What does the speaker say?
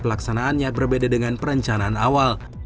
pelaksanaannya berbeda dengan perencanaan awal